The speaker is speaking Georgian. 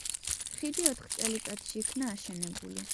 ხიდი ოთხ წელიწადში იქნა აშენებული.